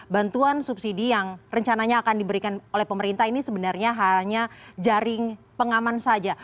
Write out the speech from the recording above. bantuan subsidi yang rencananya akan diberikan oleh pemerintah ini sebenarnya hanya jaring pengaman saja